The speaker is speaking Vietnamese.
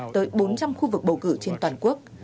tới bốn trăm linh khu vực bầu cử trên toàn quốc